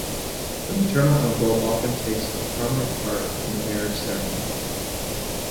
The maternal uncle often takes a prominent part in the marriage ceremony.